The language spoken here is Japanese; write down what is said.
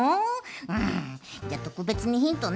うんじゃあとくべつにヒントね。